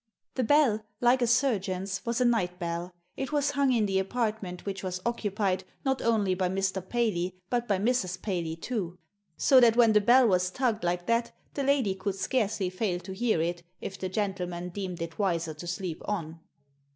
The bell, like a suigeon's, was a night belL It was hung in the apartment which was occupied, not only by Mr. Paley, but by Mrs. Paley too. So that when the bell was tugged like that the lady could scarcely fail to hear it, if the gentleman deemed it wiser to sleep on.